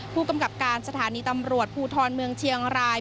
ผู้กำกับการสถานีตำรวจภูทรเมืองเชียงราย